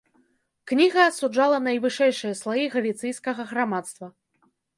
Кніга асуджала найвышэйшыя слаі галіцыйскага грамадства.